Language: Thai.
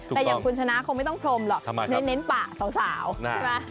แต่อย่างคุณชนะคงไม่ต้องพรมหรอกเน้นป่าสาวใช่ไหม